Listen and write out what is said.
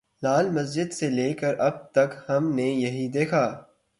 لال مسجد سے لے کر اب تک ہم نے یہی دیکھا۔